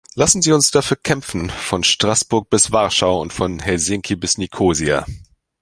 Lassen Sie uns dafür kämpfen, von Straßburg bis Warschau und von Helsinki bis Nikosia!